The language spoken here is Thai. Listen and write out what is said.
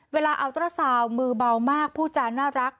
เวลาอัลตราซาลมือเบามากผู้จาน่ารัก